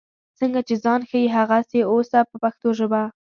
څنګه چې ځان ښیې هغسې اوسه په پښتو ژبه.